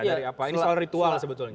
ini soal ritual sebetulnya